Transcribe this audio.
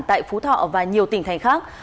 tại phú thọ và nhiều tỉnh thành khác